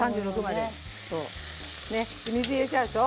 で水入れちゃうでしょ。